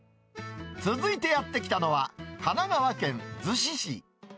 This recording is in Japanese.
続いてやって来たのは、神奈川県逗子市。